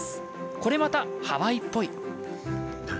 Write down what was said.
これまた、ハワイっぽい。